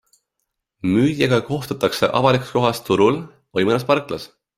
Müüjaga kohtutakse avalikus kohas turul või mõnes parklas.